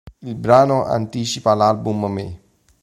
Il brano anticipa l'album "Me.